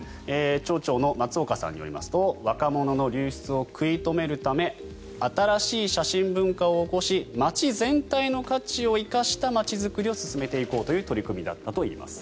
町長の松岡さんによりますと若者の流出を食い止めるため新しい写真文化を起こし町全体の価値を生かした町づくりを進めていこうという取り組みだったといいます。